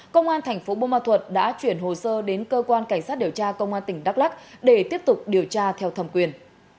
công an thành phố bô ma thuật đã chuyển hồ sơ đến cơ quan cảnh sát điều tra công an tỉnh đắk lắc để tiếp tục điều tra theo thẩm quyền